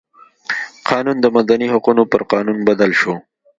قانون د مدني حقونو پر قانون بدل شو.